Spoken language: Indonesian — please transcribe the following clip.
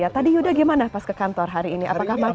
tadi yuda gimana pas ke kantor hari ini apakah bagus